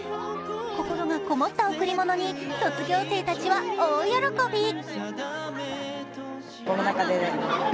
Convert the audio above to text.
心がこもった贈り物に卒業生たちは大喜び。